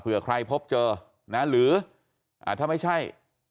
เพื่อใครพบเจอนะหรือถ้าไม่ใช่